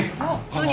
何？